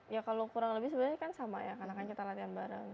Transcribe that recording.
ya kalau kurang lebih sebenarnya kan sama ya karena kan kita latihan bareng